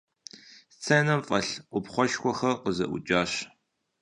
Сценэм фӀэлъ Ӏупхъуэшхуэр къызэӀукӀащ.